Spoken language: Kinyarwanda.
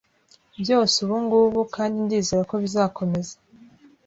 Byose ubungubu, kandi ndizera ko bizakomeza